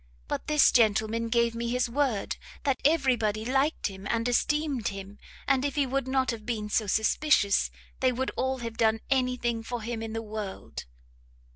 But this gentleman gave me his word that every body liked him and esteemed him, and if he would not have been so suspicious, they would all have done any thing for him in the world."